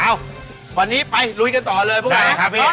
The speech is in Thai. วันนี้ไปลุยกันต่อเลยพวกเรา